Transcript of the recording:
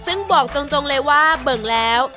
ซึ่งบอกตรงเลยว่าเบิ่งแล้ว